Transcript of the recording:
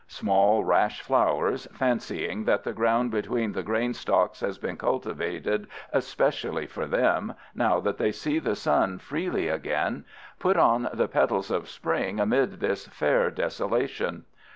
Small rash flowers, fancying that the ground between the grain stalks has been cultivated especially for them, now that they see the sun freely again, put on the petals of spring amid this fair desolation.